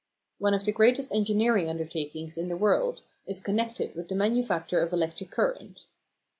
One of the greatest engineering undertakings in the world is connected with the manufacture of electric current.